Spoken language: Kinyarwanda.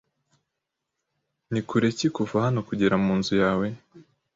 Ni kure ki kuva hano kugera munzu yawe?